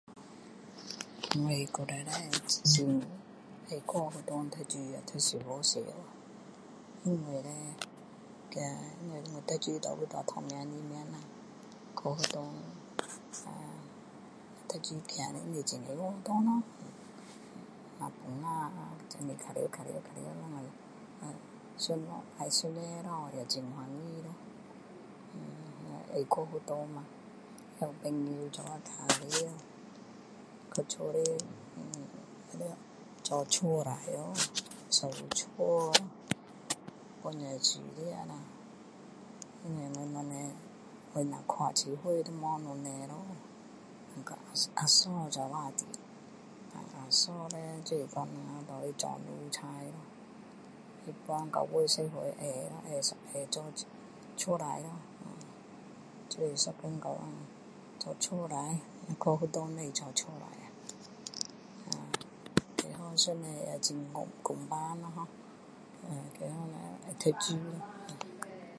我以前很喜欢去学校读书啊读小学时因为叻我读书多数拿头名二名啦去学校那不是很喜欢去学校咯那放假就是玩玩玩那上学咯也很开心咯爱去学校嘛也有朋友一起玩去家里就要做家务咯扫地咯帮助煮饭咯因为我妈妈我只有足七岁就没有母亲咯跟啊嫂一起胆啊嫂叻就是跟我们做奴才咯那时九岁十岁会咯会做家务咯就是一天到晚做家务去学校不用做家务啊还好上帝也很公平啦ho给我们读书